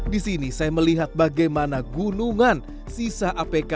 di sini saya melihat bagaimana gunungan sisa apk